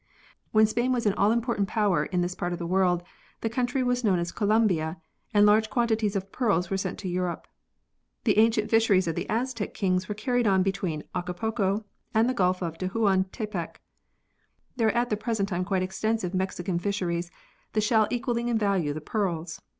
When Spain was an all important power in this part of the world, the country was known as Colombia and large quantities of pearls were sent to Europe. The ancient fisheries of the Aztec kings were carried on between Acapulco and the Gulf of Tehuan tepec. There are at the present time quite extensive Mexican fisheries, the shell equalling in value the pearls.